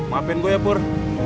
maapin gua ya pur